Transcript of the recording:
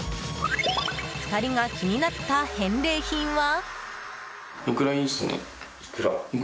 ２人が気になった返礼品は？